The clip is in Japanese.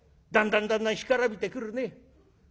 だんだんだんだん干からびてくるね。